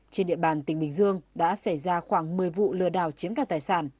trên địa bàn tỉnh bình dương đã xảy ra khoảng một mươi vụ lừa đảo chiếm đoạt tài sản